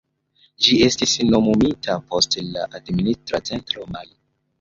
Ĝi estis nomumita post la administra centro Mali.